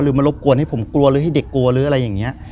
มารบกวนให้ผมกลัวหรือให้เด็กกลัวหรืออะไรอย่างนี้